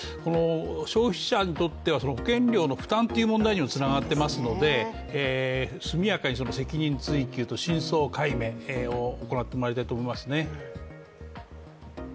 消費者にとっては保険料の負担という問題にもつながっていますので速やかに責任追及と、真相解明を行ってもらいたいと思いますね。